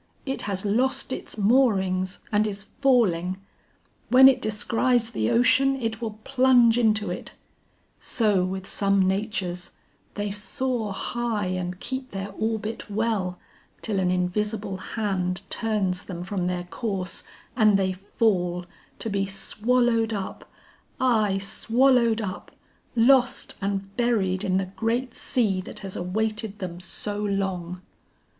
'It has lost its moorings and is falling; when it descries the ocean it will plunge into it; so with some natures, they soar high and keep their orbit well, till an invisible hand turns them from their course and they fall, to be swallowed up, aye swallowed up, lost and buried in the great sea that has awaited them so long.'